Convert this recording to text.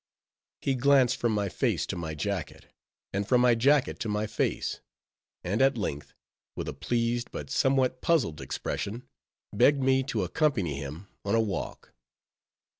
He glanced from my face to my jacket, and from my jacket to my face, and at length, with a pleased but somewhat puzzled expression, begged me to accompany him on a walk.